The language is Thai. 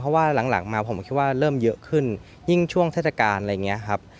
เพราะว่าหลังมาผมก็คิดว่าเริ่มเยอะขึ้นยิ่งช่วงเทศกาลอะไรอย่างนี้ครับ